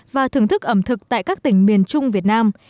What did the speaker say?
và thưởng thức ẩm thực tại các tỉnh miền trung việt nam